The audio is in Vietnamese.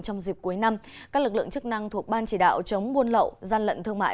trong dịp cuối năm các lực lượng chức năng thuộc ban chỉ đạo chống buôn lậu gian lận thương mại